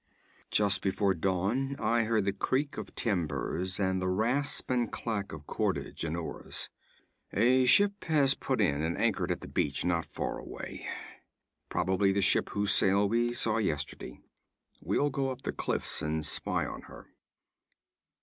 'Just before dawn I heard the creak of timbers and the rasp and clack of cordage and oars. A ship has put in and anchored at the beach not far away probably the ship whose sail we saw yesterday. We'll go up the cliffs and spy on her.'